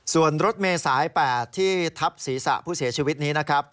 ส่วนรถเมษาย๘ที่ทับศีรษะผู้เสียชีวิตนี้นะครับ